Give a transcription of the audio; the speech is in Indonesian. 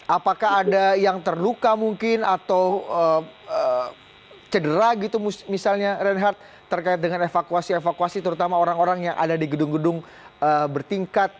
apakah ada yang terluka mungkin atau cedera gitu misalnya reinhardt terkait dengan evakuasi evakuasi terutama orang orang yang ada di gedung gedung bertingkat